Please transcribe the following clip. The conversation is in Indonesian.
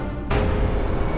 nanti kita ke rumah